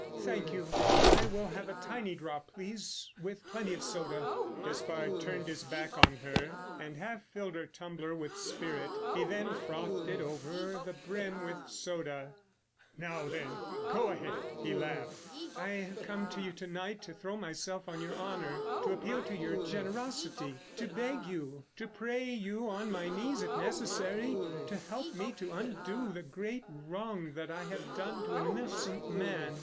"Thank you, I will have a tiny drop, please, with plenty of soda." Despard turned his back on her and half filled her tumbler with spirit, he then frothed it over the brim with soda. "Now then, go ahead," he laughed. "I have come to you to night to throw myself on your honour, to appeal to your generosity—to beg you, to pray you, on my knees if necessary, to help me to undo the great wrong that I have done to an innocent man.